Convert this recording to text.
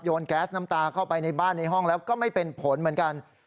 แก๊สน้ำตาเข้าไปในบ้านในห้องแล้วก็ไม่เป็นผลเหมือนกัน